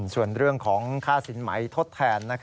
ส่วนเรื่องของค่าสินไหมทดแทน